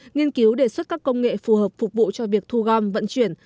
nghiên cứu đề xuất các công nghệ phù hợp phục vụ cho việc thu gom vận chuyển